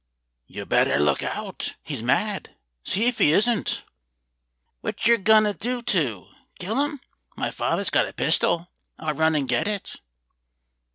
"You'd better look out. He's mad. See if he isn't." "What yer goin' to do? kill him? My father's got a pistol; I'll run and get it."